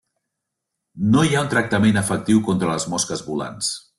No hi ha un tractament efectiu contra les mosques volants.